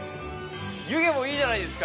湯気もいいじゃないですか！